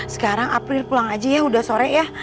sekarang april pulang aja ya udah sore ya